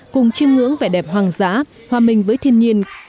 cùng chim ngưỡng vẻ đẹp hoàng giá hòa minh với thiên nhiên